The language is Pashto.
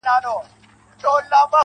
زما د ښار ځوان.